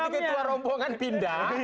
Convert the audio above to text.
nanti ketua rombongan pindah